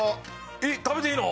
えっ食べていいの？